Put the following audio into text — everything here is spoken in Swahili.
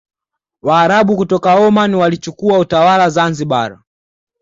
Waarabu kutoka Omani walichukua utawala Zanzibar